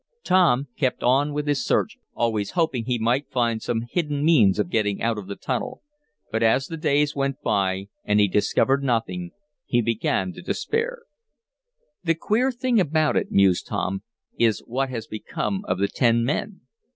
Tom kept on with his search, always hoping he might find some hidden means of getting out of the tunnel. But as the days went by, and he discovered nothing, he began to despair. "The queer thing about it," mused Tom, "is what has become of the ten men.